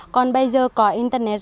còn bây giờ có internet